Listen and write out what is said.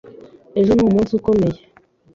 Ejo ni umunsi ukomeye.